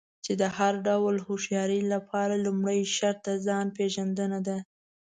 چې د هر ډول هوښيارۍ لپاره لومړی شرط د ځان پېژندنه ده.